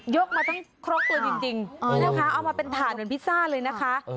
ยกมาตั้งครกเลยจริงเอามาเป็นถาดเหมือนพิซซ่าเลยนะคะ